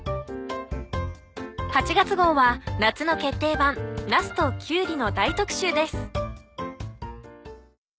８月号は夏の決定版なすときゅうりの大特集です。